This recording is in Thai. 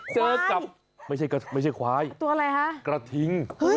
เจอกับไม่ใช่ควายตัวอะไรฮะกระทิง